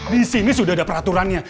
disini sudah ada peraturannya